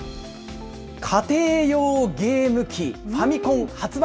家庭用ゲーム機ファミコン発売